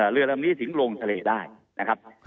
เรือลำนี้ถึงลงทะเลได้นะครับ